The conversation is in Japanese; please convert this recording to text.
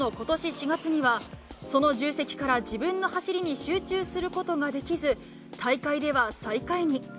４月には、その重責から自分の走りに集中することができず、大会では最下位に。